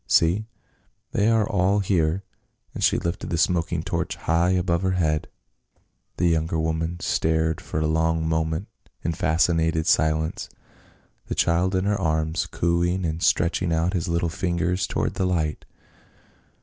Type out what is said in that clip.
See, they are all here." And she lifted the smoking torch high above her head. 204 PA UL. The younger woman stared for a long moment in fascinated silence, the child in her arms cooing and stretching out its little fingers toward the light.